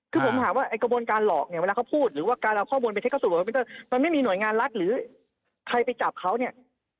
คือผมถามว่าไอ้กระบวนการหลอกเนี่ยเวลาเขาพูดหรือว่าการเอาข้อมูลไปเช็คเข้าสู่ระบบคอมพิวเตอร์มันไม่มีหน่วยงานรัฐหรือใครไปจับเขาเนี่ย